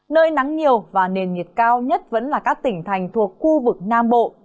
nơi nắng nhiều và nền nhiệt cao nhất vẫn là các tỉnh thành thuộc khu vực nam bộ